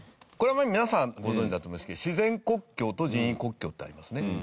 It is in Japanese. これはもう皆さんご存じだと思いますけど自然国境と人為国境ってありますね。